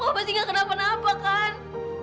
papa sih nggak kena apa apa kan